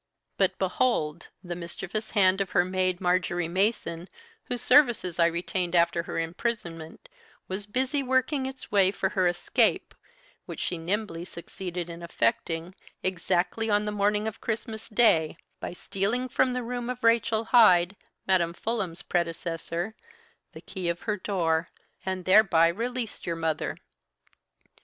"But, behold! the mischievous hand of her maid, Marjory Mason, whose services I retained after her imprisonment, was busy working its way for her escape, which she nimbly succeeded in effecting, exactly on the morning of Christmas Day, by stealing from the room of Rachel Hyde, Madam Fulham's predecessor, the key of her door, and thereby released your mother.